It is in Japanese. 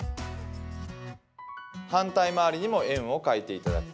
反対回りにも円を描いていただく。